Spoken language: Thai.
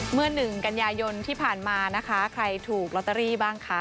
หนึ่งกันยายนที่ผ่านมานะคะใครถูกลอตเตอรี่บ้างคะ